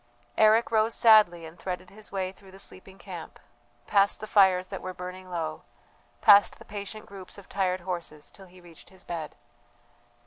Eric rose sadly and threaded his way through the sleeping camp, past the fires that were burning low, past the patient groups of tired horses, till he reached his bed.